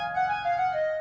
ke jam dua belas pagi